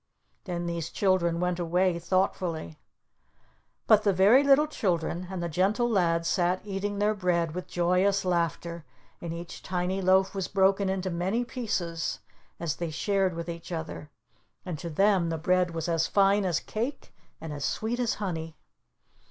Then these children went away thoughtfully. But the very little children and the Gentle Lad sat eating their bread with joyous laughter, and each tiny loaf was broken into many pieces as they shared with each other, and to them the bread was as fine as cake and as sweet as honey.